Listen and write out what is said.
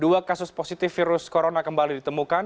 dua kasus positif virus corona kembali ditemukan